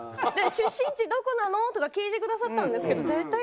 「出身地どこなの？」とか聞いてくださったんですけど絶対。